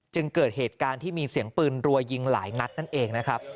เกิดเหตุการณ์ที่มีเสียงปืนรัวยิงหลายนัดนั่นเองนะครับ